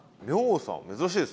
珍しいですね。